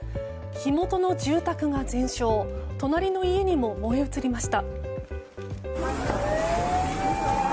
火元の住宅が全焼隣の家にも燃え移りました。